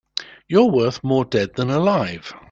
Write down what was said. You're worth more dead than alive.